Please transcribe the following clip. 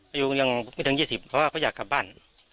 อายุยังไม่ถึง๒๐เพราะว่าเขาอยากกลับบ้าน